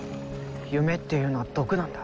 夢っていうのは毒なんだ。